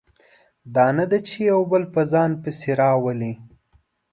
دا نه ده چې یو بل په ځان پسې راولي.